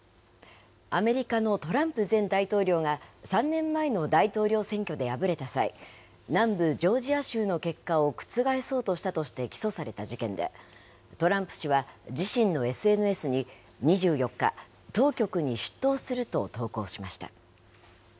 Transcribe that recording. アメリカのトランプ前大統領が３年前の大統領選挙で敗れた際、南部ジョージア州の結果を覆そうとしたとして起訴された事件で、トランプ氏は自身のＳＮＳに２４日、当局に出頭すると投稿しました。